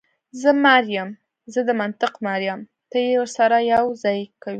زه مار یم، زه د منطق مار یم، ته یې سره یو ځای کوې.